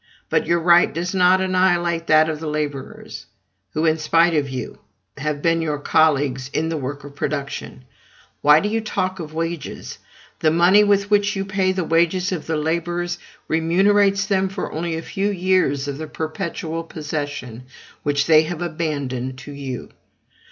But your right does not annihilate that of the laborers, who, in spite of you, have been your colleagues in the work of production. Why do you talk of wages? The money with which you pay the wages of the laborers remunerates them for only a few years of the perpetual possession which they have abandoned to you.